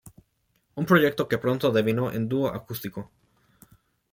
Un proyecto que pronto devino en dúo acústico.